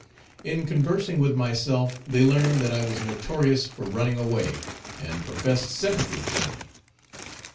In conversing with myself, they learned that I was notorious for running away, and professed sympathy for me.